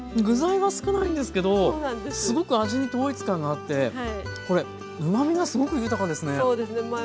具材は少ないんですけどすごく味に統一感があってこれうまみがすごく豊かですね。